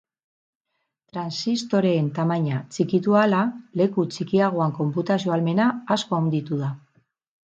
Transistoreen tamaina txikitu ahala, leku txikiagoan konputazio-ahalmena asko handitu da.